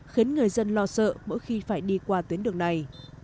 khiến người dân lo sợ mỗi khi phải đi qua tuyến đường này